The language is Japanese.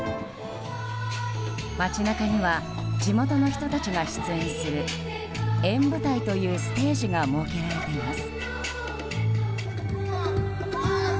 街中には地元の人たちが出演する演舞台というステージが設けられています。